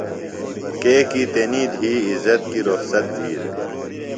کیکیۡ تنی دِھی عزت کی رخصت بھی دےۡ۔